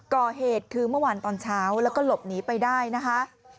ก่อเหตุคือเมื่อวานตอนเช้าแล้วก็หลบหนีไปได้นะคะ